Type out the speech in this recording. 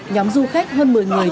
nhóm du khách hơn một mươi người